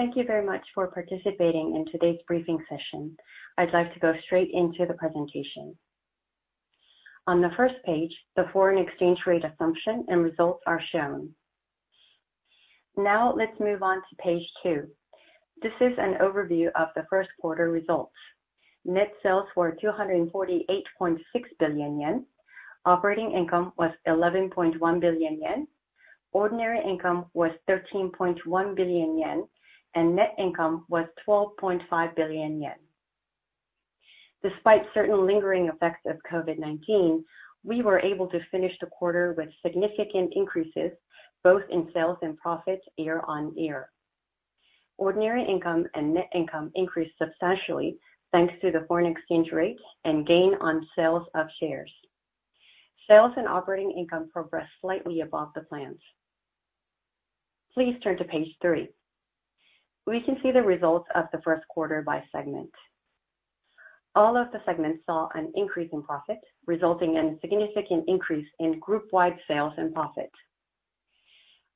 Thank you very much for participating in today's briefing session. I'd like to go straight into the presentation. On the first page, the foreign exchange rate assumption and results are shown. Let's move on to page two. This is an overview of the first quarter results. Net sales were 248.6 billion yen, operating income was 11.1 billion yen, ordinary income was 13.1 billion yen, and net income was 12.5 billion yen. Despite certain lingering effects of COVID-19, we were able to finish the quarter with significant increases both in sales and profits year-on-year. Ordinary income and net income increased substantially thanks to the foreign exchange rate and gain on sales of shares. Sales and operating income progressed slightly above the plans. Please turn to page three. We can see the results of the first quarter by segment. All of the segments saw an increase in profit, resulting in a significant increase in group-wide sales and profit.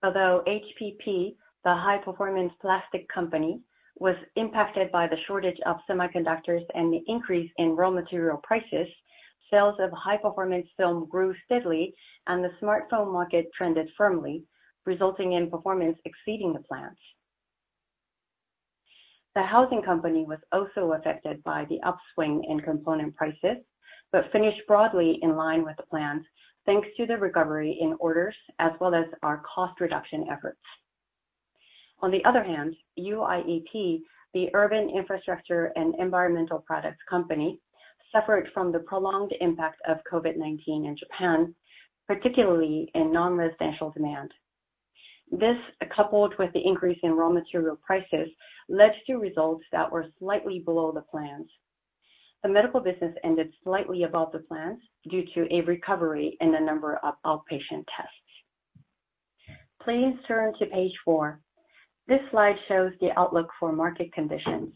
Although HPP, the High Performance Plastics Company, was impacted by the shortage of semiconductors and the increase in raw material prices, sales of high-performance film grew steadily, and the smartphone market trended firmly, resulting in performance exceeding the plans. The housing company was also affected by the upswing in component prices, but finished broadly in line with the plans thanks to the recovery in orders as well as our cost reduction efforts. On the other hand, UIEP, the Urban Infrastructure & Environmental Products Company, suffered from the prolonged impact of COVID-19 in Japan, particularly in non-residential demand. This, coupled with the increase in raw material prices, led to results that were slightly below the plans. The medical business ended slightly above the plans due to a recovery in the number of outpatient tests. Please turn to page four. This slide shows the outlook for market conditions.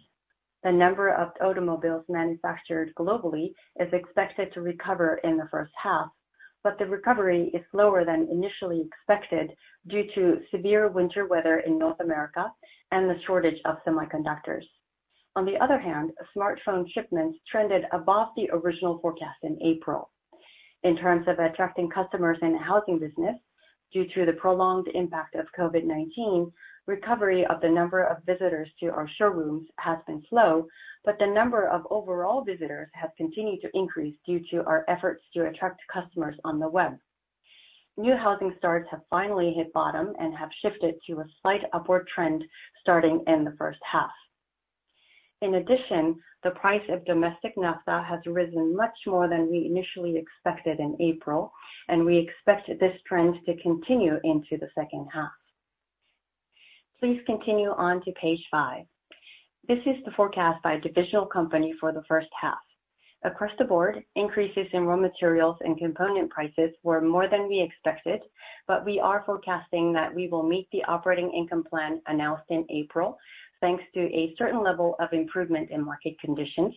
The number of automobiles manufactured globally is expected to recover in the first half, but the recovery is slower than initially expected due to severe winter weather in North America and the shortage of semiconductors. On the other hand, smartphone shipments trended above the original forecast in April. In terms of attracting customers in the housing business, due to the prolonged impact of COVID-19, recovery of the number of visitors to our showrooms has been slow, but the number of overall visitors has continued to increase due to our efforts to attract customers on the web. New housing starts have finally hit bottom and have shifted to a slight upward trend starting in the first half. In addition, the price of domestic naphtha has risen much more than we initially expected in April, and we expect this trend to continue into the second half. Please continue on to page five. This is the forecast by divisional company for the first half. Across the board, increases in raw materials and component prices were more than we expected, but we are forecasting that we will meet the operating income plan announced in April, thanks to a certain level of improvement in market conditions,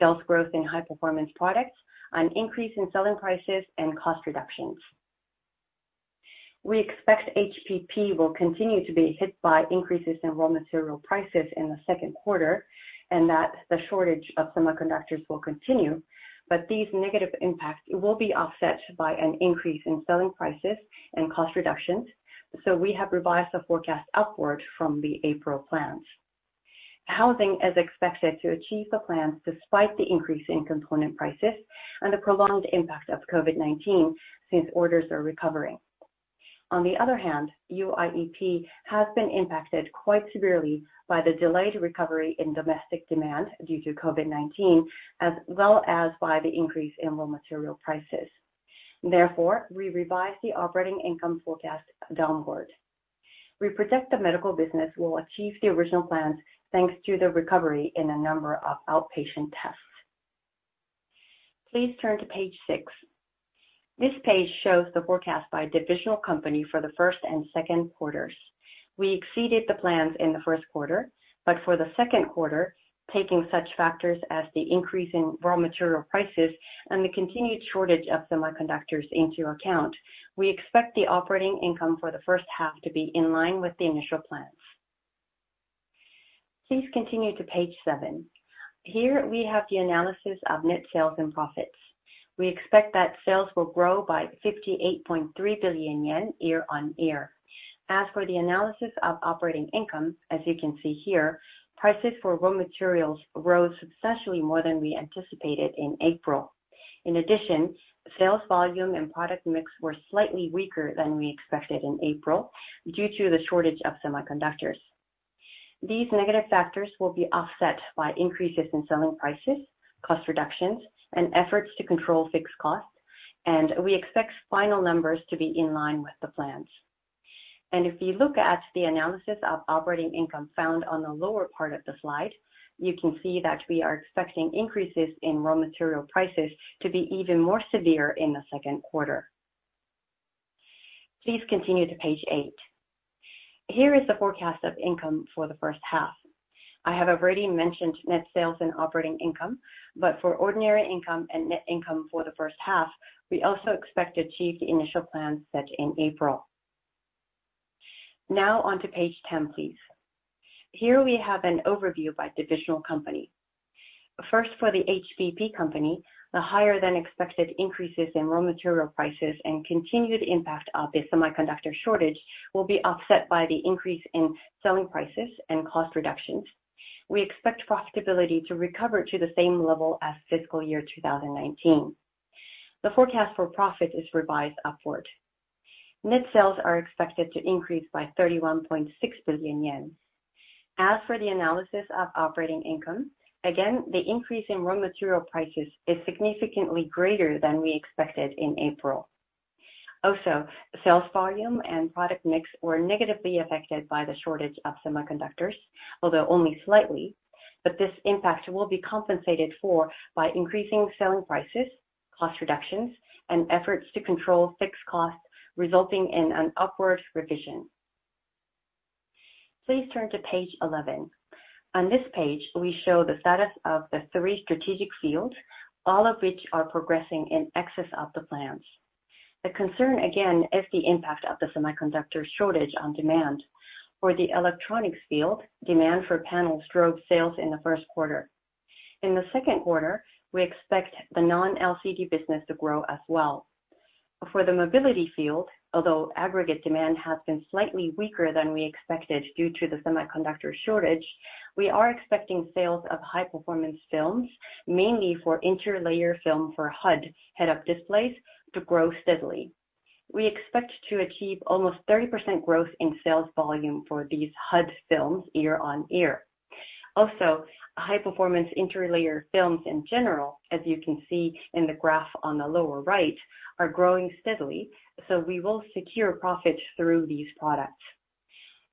sales growth in high-performance products, an increase in selling prices, and cost reductions. We expect HPP will continue to be hit by increases in raw material prices in the second quarter, and that the shortage of semiconductors will continue, but these negative impacts will be offset by an increase in selling prices and cost reductions, so we have revised the forecast upward from the April plans. Housing is expected to achieve the plans despite the increase in component prices and the prolonged impact of COVID-19 since orders are recovering. On the other hand, UIEP has been impacted quite severely by the delayed recovery in domestic demand due to COVID-19, as well as by the increase in raw material prices. Therefore, we revised the operating income forecast downward. We project the medical business will achieve the original plans thanks to the recovery in the number of outpatient tests. Please turn to page six. This page shows the forecast by divisional company for the first and second quarters. We exceeded the plans in the first quarter, but for the second quarter, taking such factors as the increase in raw material prices and the continued shortage of semiconductors into account, we expect the operating income for the 1st half to be in line with the initial plans. Please continue to page seven. Here, we have the analysis of net sales and profits. We expect that sales will grow by 58.3 billion yen year-on-year. As for the analysis of operating income, as you can see here, prices for raw materials rose substantially more than we anticipated in April. In addition, sales volume and product mix were slightly weaker than we expected in April due to the shortage of semiconductors. These negative factors will be offset by increases in selling prices, cost reductions, and efforts to control fixed costs, and we expect final numbers to be in line with the plans. If you look at the analysis of operating income found on the lower part of the slide, you can see that we are expecting increases in raw material prices to be even more severe in the second quarter. Please continue to page eight. Here is the forecast of income for the first half. I have already mentioned net sales and operating income, but for ordinary income and net income for the first half, we also expect to achieve the initial plans set in April. Now on to page 10, please. Here we have an overview by divisional company. First for the HPP company, the higher-than-expected increases in raw material prices and continued impact of the semiconductor shortage will be offset by the increase in selling prices and cost reductions. We expect profitability to recover to the same level as fiscal year 2019. The forecast for profit is revised upward. Net sales are expected to increase by 31.6 billion yen. As for the analysis of operating income, again, the increase in raw material prices is significantly greater than we expected in April. Sales volume and product mix were negatively affected by the shortage of semiconductors, although only slightly, but this impact will be compensated for by increasing selling prices, cost reductions, and efforts to control fixed costs, resulting in an upward revision. Please turn to page 11. On this page, we show the status of the three strategic fields, all of which are progressing in excess of the plans. The concern, again, is the impact of the semiconductor shortage on demand. For the electronics field, demand for panels drove sales in the first quarter. In the second quarter, we expect the non-LCD business to grow as well. For the mobility field, although aggregate demand has been slightly weaker than we expected due to the semiconductor shortage, we are expecting sales of high-performance films, mainly for interlayer film for HUD, head-up displays, to grow steadily. We expect to achieve almost 30% growth in sales volume for these HUD films year-on-year. Also, high-performance interlayer films in general, as you can see in the graph on the lower right, are growing steadily, so we will secure profits through these products.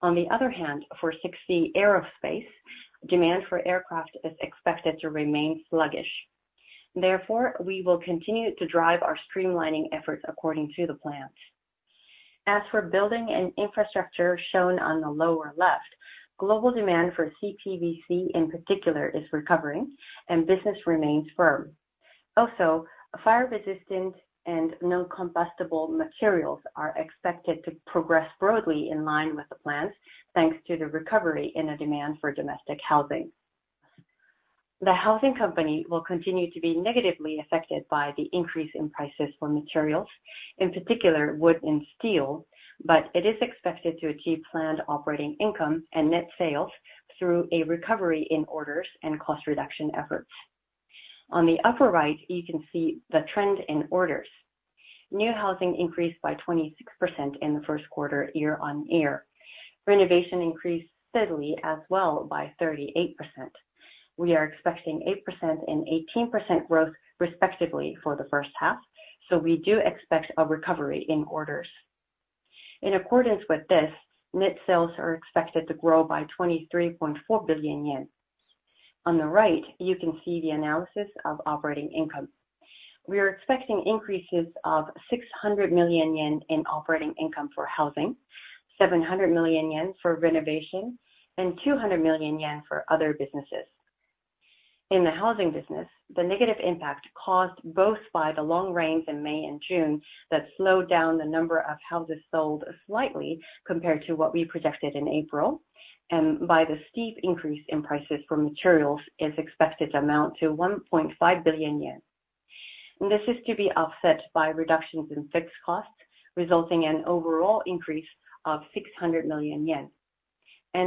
On the other hand, for Sekisui Aerospace, demand for aircraft is expected to remain sluggish. Therefore, we will continue to drive our streamlining efforts according to the plan. As for building and infrastructure shown on the lower left, global demand for CPVC in particular is recovering, and business remains firm. Fire-resistant and non-combustible materials are expected to progress broadly in line with the plans, thanks to the recovery in the demand for domestic housing. The housing company will continue to be negatively affected by the increase in prices for materials, in particular wood and steel, but it is expected to achieve planned operating income and net sales through a recovery in orders and cost reduction efforts. On the upper right, you can see the trend in orders. New housing increased by 26% in the first quarter, year-on-year. Renovation increased steadily as well by 38%. We are expecting 8% and 18% growth respectively for the first half. We do expect a recovery in orders. In accordance with this, net sales are expected to grow by 23.4 billion yen. On the right, you can see the analysis of operating income. We are expecting increases of 600 million yen in operating income for housing, 700 million yen for renovation, and 200 million yen for other businesses. In the housing business, the negative impact caused both by the long rains in May and June that slowed down the number of houses sold slightly compared to what we projected in April, and by the steep increase in prices for materials, is expected to amount to 1.5 billion yen. This is to be offset by reductions in fixed costs, resulting in an overall increase of 600 million yen.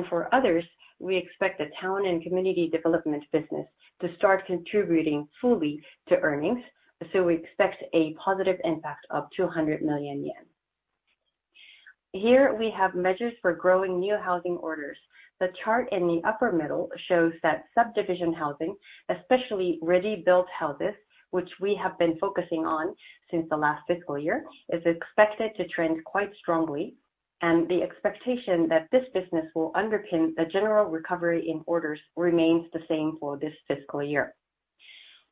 For others, we expect the town and community development business to start contributing fully to earnings, so we expect a positive impact of 200 million yen. Here we have measures for growing new housing orders. The chart in the upper middle shows that subdivision housing, especially ready-built houses, which we have been focusing on since the last fiscal year, is expected to trend quite strongly, and the expectation that this business will underpin the general recovery in orders remains the same for this fiscal year.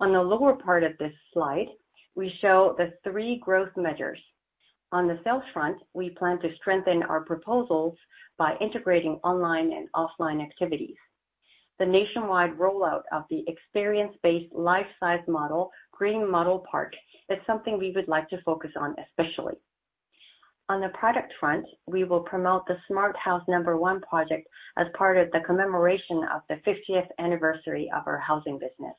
On the lower part of this slide, we show the three growth measures. On the sales front, we plan to strengthen our proposals by integrating online and offline activities. The nationwide rollout of the experience-based life-size model, Green Model Park, is something we would like to focus on, especially. On the product front, we will promote the Smart House No. 1 project as part of the commemoration of the 50th anniversary of our housing business.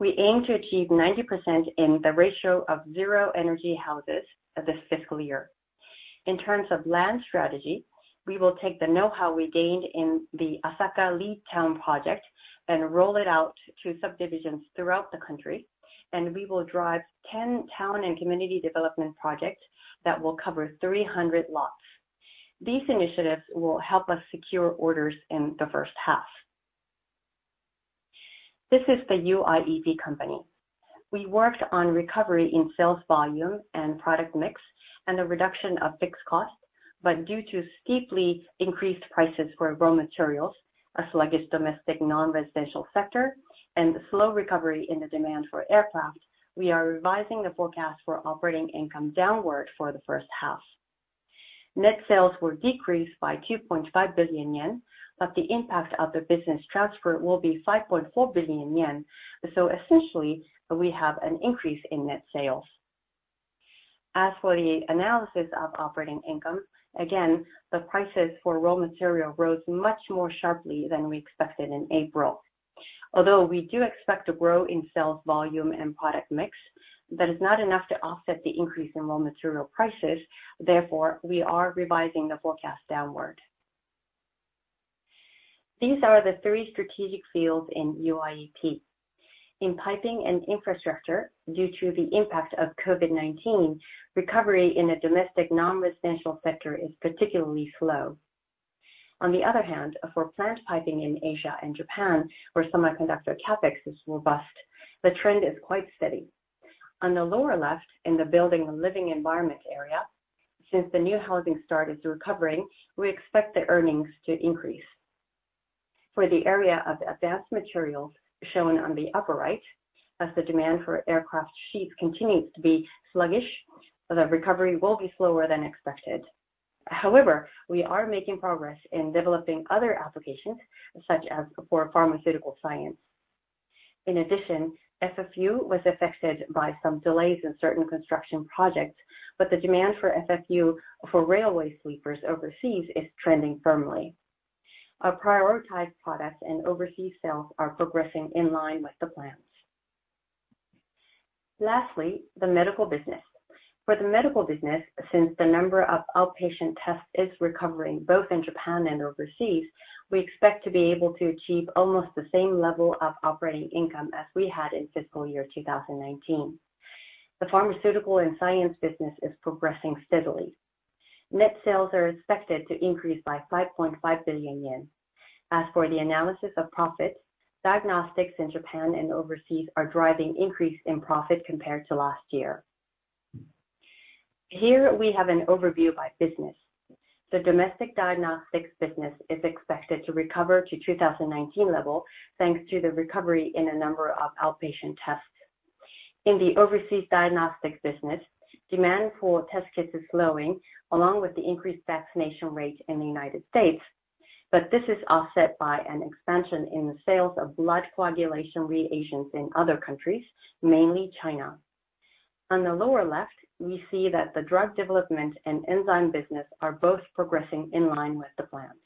We aim to achieve 90% in the ratio of zero energy houses this fiscal year. In terms of land strategy, we will take the knowhow we gained in the Asaka Lead Town project and roll it out to subdivisions throughout the country, and we will drive 10 town and community development projects that will cover 300 lots. These initiatives will help us secure orders in the first half. This is the UIEP company. We worked on recovery in sales volume and product mix and the reduction of fixed costs, but due to steeply increased prices for raw materials, a sluggish domestic non-residential sector, and slow recovery in the demand for aircraft, we are revising the forecast for operating income downward for the first half. Net sales will decrease by 2.5 billion yen, but the impact of the business transfer will be 5.4 billion yen. Essentially, we have an increase in net sales. As for the analysis of operating income, again, the prices for raw material rose much more sharply than we expected in April. Although we do expect a growth in sales volume and product mix, that is not enough to offset the increase in raw material prices. Therefore, we are revising the forecast downward. These are the three strategic fields in UIEP. In piping and infrastructure, due to the impact of COVID-19, recovery in the domestic non-residential sector is particularly slow. On the other hand, for plant piping in Asia and Japan, where semiconductor CapEx is robust, the trend is quite steady. On the lower left, in the building and living environment area, since the new housing start is recovering, we expect the earnings to increase. For the area of advanced materials shown on the upper right, as the demand for aircraft sheets continues to be sluggish, the recovery will be slower than expected. We are making progress in developing other applications, such as for pharmaceutical sciences. FFU was affected by some delays in certain construction projects, but the demand for FFU for railway sleepers overseas is trending firmly. Our prioritized products and overseas sales are progressing in line with the plans. Lastly, the medical business. For the medical business, since the number of outpatient tests is recovering both in Japan and overseas, we expect to be able to achieve almost the same level of operating income as we had in fiscal year 2019. The pharmaceutical and science business is progressing steadily. Net sales are expected to increase by 5.5 billion yen. As for the analysis of profits, diagnostics in Japan and overseas are driving increase in profit compared to last year. Here we have an overview by business. The domestic diagnostics business is expected to recover to 2019 level, thanks to the recovery in the number of outpatient tests. In the overseas diagnostics business, demand for test kits is slowing, along with the increased vaccination rate in the United States, but this is offset by an expansion in the sales of blood coagulation reagents in other countries, mainly China. On the lower left, we see that the drug development and enzyme business are both progressing in line with the plans.